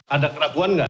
ada keraguan enggak